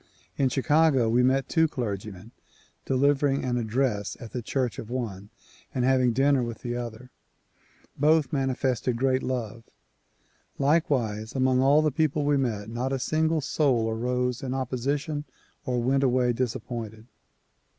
In Chicago we met two clergymen, — delivering an address at the church of one and having dinner with the other. Both mani fested great love. Likewise among all the people we met, not a single soul arose in opposition or went away disappointed.